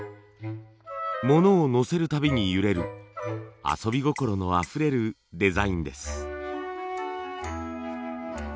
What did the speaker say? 物をのせるたびに揺れる遊び心のあふれるデザインです。